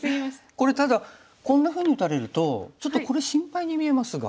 これただこんなふうに打たれるとちょっとこれ心配に見えますが。